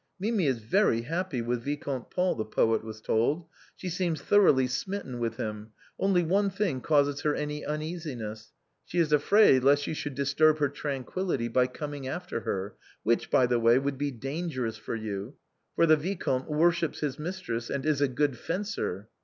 " Mimi is very happy with Vicomte Paul," the poet was told, " she seems thoroughly smitten with him, only one thing causes her any uneasiness, she is afraid least you should disturb her tranquillity by coming after her ; which, by the way, would be dangerous for you, for the vicomte worships his mistress, and is a good fencer."